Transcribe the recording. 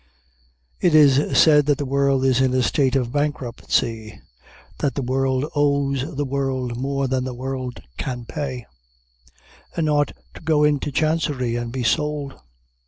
It is said that the world is in a state of bankruptcy, that the world owes the world more than the world can pay, and ought to go into chancery, and be sold.